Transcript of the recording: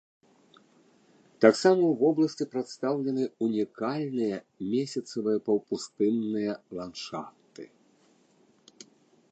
Таксама ў вобласці прадстаўлены ўнікальныя месяцавыя паўпустынныя ландшафты.